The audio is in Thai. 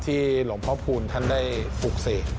ที่หลวงพ่อภูลท่านได้ฝุกเสก